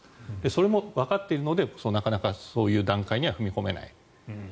それもわかっているのでなかなかそういう段階には踏み込めない。